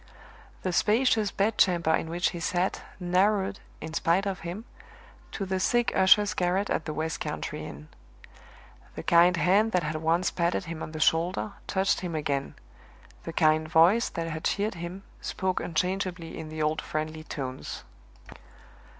The spacious bed chamber in which he sat, narrowed, in spite of him, to the sick usher's garret at the west country inn. The kind hand that had once patted him on the shoulder touched him again; the kind voice that had cheered him spoke unchangeably in the old friendly tones.